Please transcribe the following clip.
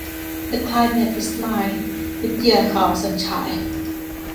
The climate is mild, with year-round sunshine.